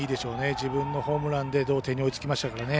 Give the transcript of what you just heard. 自分のホームランで同点に追いつきましたからね。